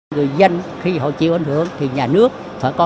người dân khi họ chịu ảnh hưởng thì nhà nước phải có